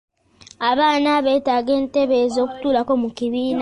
Abaana beetaaga entebe ez'okutuulako mu kibiina.